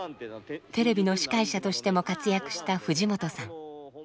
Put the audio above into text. テレビの司会者としても活躍した藤本さん。